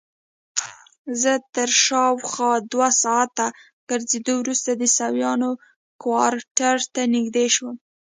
زه تر شاوخوا دوه ساعته ګرځېدو وروسته د عیسویانو کوارټر ته نږدې شوم.